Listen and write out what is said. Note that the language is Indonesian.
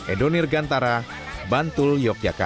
edonir gantara bantul yogyakarta